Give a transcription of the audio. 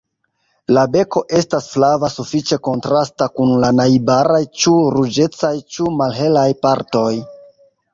La beko estas flava sufiĉe kontrasta kun la najbaraj ĉu ruĝecaj ĉu malhelaj partoj.